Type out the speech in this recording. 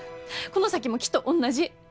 この先もきっと同じ。